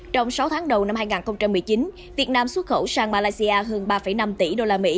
trong sáu tháng đầu năm hai nghìn một mươi chín việt nam xuất khẩu sang malaysia hơn ba năm tỷ usd